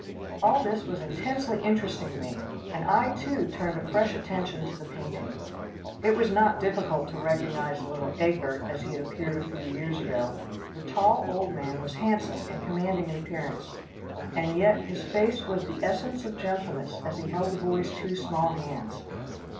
All this was intensely interesting to me, and I too turned a fresh attention to the painting. It was not difficult to recognise little Egbert as he had appeared a few years ago. The tall old man was handsome and commanding in appearance, and yet his face was the essence of gentleness as he held the boy's two small hands.